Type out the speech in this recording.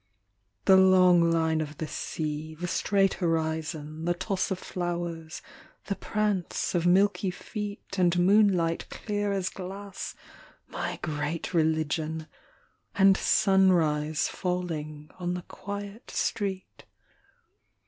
The long line of the sea, the straight horizon, The toss of flowers, the prance of milky feet, And moonlight clear as glass my great religion, And sunrise falling on the quiet street.